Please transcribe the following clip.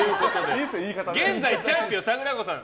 現在チャンピオンさくらこさん